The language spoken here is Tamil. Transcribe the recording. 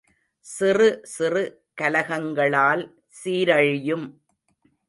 சிறு சிறு கலகங்களால் சீரழியும்.